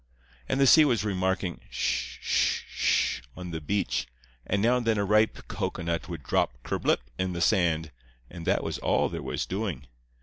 And the sea was remarking 'Sh sh sh' on the beach; and now and then a ripe cocoanut would drop kerblip in the sand; and that was all there was doing.